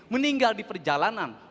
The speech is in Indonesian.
meninggal di perjalanan